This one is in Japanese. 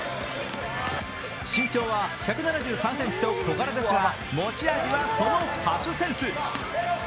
身長は１７３ｃｍと小柄ですが持ち味は、そのパスセンス。